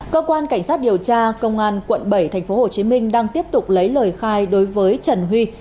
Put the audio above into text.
cơ quan cảnh sát điều tra công an quận bảy tp hcm đang tiếp tục lấy lời khai đối với trần huy